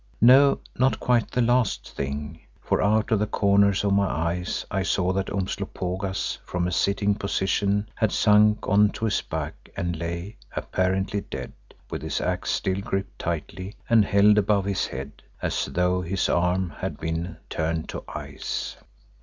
No, not quite the last thing, for out of the corners of my eyes I saw that Umslopogaas from a sitting position had sunk on to his back and lay, apparently dead, with his axe still gripped tightly and held above his head, as though his arm had been turned to ice.